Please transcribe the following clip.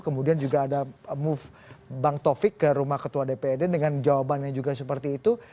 kemudian juga ada move bang taufik ke rumah ketua dprd dengan jawabannya juga seperti itu